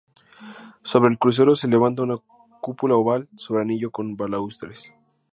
Sobre el crucero se levanta una cúpula oval sobre anillo con balaustres.